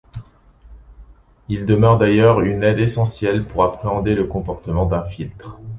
Ils demeurent d'ailleurs une aide essentielle pour appréhender le comportement d'un filtre.